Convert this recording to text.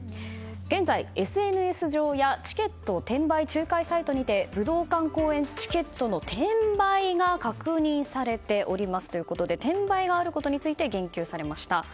現在、ＳＮＳ上やチケット転売仲介サイトにて武道館公演チケットの転売が確認されておりますということで転売があることについて言及されました。